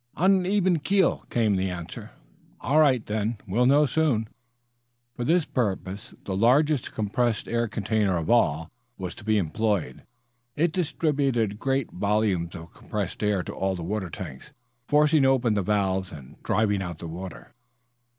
"On the even keel," came the answer. "All right, then; we'll know soon." For this purpose the largest compressed air container of all was to be employed. It distributed great volumes of compressed air to all the water tanks, forcing open the valves and driving out the water.